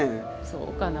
そうかな？